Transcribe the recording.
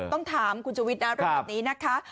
ต้องถามคุณชุวิตนะเรื่องแบบนี้นะคะ